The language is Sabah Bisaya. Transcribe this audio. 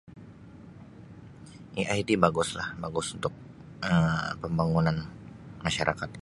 AI ti baguslah bagus untuk um pambangunan masyarakat.